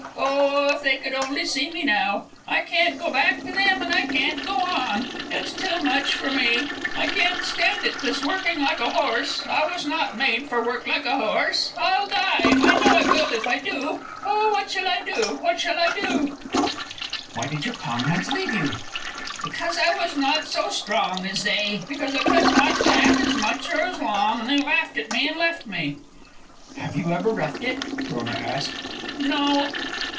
Oh, if they could only see me now! I can't go back to them, and I can't go on. It's too much for me. I can't stand it, this working like a horse. I was not made to work like a horse. I'll die, I know I will, if I do. Oh, what shall I do? What shall I do?" "Why did your comrades leave you?" "Because I was not so strong as they; because I could not pack as much or as long. And they laughed at me and left me." "Have you ever roughed it?" Frona asked. "No."